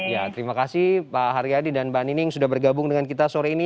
ya terima kasih pak haryadi dan mbak nining sudah bergabung dengan kita sore ini